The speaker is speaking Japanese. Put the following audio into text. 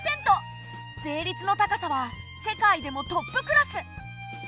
税率の高さは世界でもトップクラス！